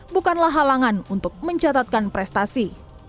bukanlah halangan untuk mencatatkan prestasi